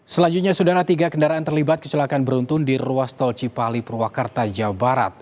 selanjutnya sudah ada tiga kendaraan terlibat kecelakaan beruntun di ruas tol cipali purwakarta jawa barat